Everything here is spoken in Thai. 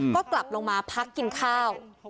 ก็กลับลงมาพักกินข้าว